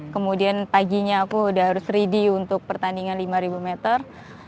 kemudian paginya aku udah harus ready untuk pertandingan lima meter